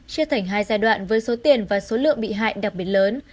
chia thành hai giai đoạn với số tiền và số lượng bị hại đặc biệt lớn